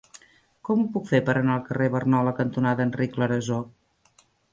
Com ho puc fer per anar al carrer Barnola cantonada Enric Clarasó?